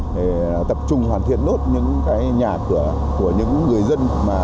để tập trung hoàn thiện nốt những cái nhà cửa của những người dân